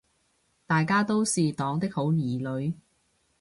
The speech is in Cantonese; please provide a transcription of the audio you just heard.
大家都是黨的好兒女